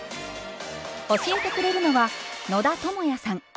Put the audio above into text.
教えてくれるのは野田智也さん。